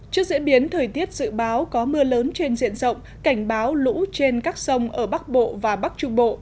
trước diễn biến thời tiết dự báo có mưa lớn trên diện rộng cảnh báo lũ trên các sông ở bắc bộ và bắc trung bộ